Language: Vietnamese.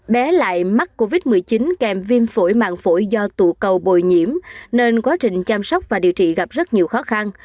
bé lại mắc covid một mươi chín kèm viêm phổi mạng phổi do tụ cầu bồi nhiễm nên quá trình chăm sóc và điều trị gặp rất nhiều khó khăn